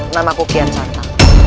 namaku kian santa